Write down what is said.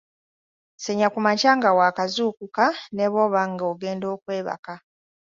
Senya ku makya nga wakazuukuka ne bw'oba nga ogenda okwebaka.